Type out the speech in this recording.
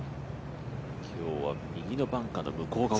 今日は右のバンカーの向こう側。